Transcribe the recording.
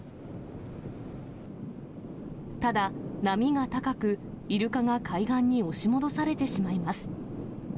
ただ、波が高く、イルカが海岸に押し戻されてしまいます。